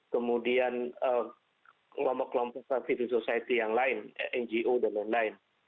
kemudian kelompok kelompok civil society yang lain ngo dan lain lain